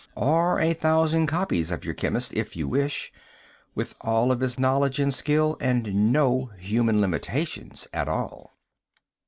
Or a thousand copies of your chemist, if you wish, with all of his knowledge and skill, and no human limitations at all.